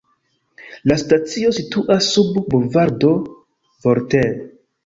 La stacio situas sub Bulvardo Voltaire.